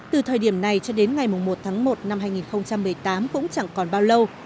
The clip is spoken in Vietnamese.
từ thời điểm này cho đến ngày một tháng một năm hai nghìn một mươi tám cũng chẳng còn bao lâu